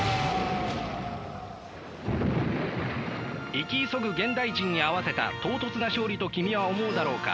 生き急ぐ現代人に合わせた唐突な勝利と君は思うだろうか。